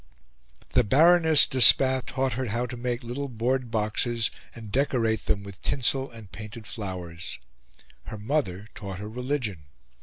The Baroness de Spath taught her how to make little board boxes and decorate them with tinsel and painted flowers; her mother taught her religion.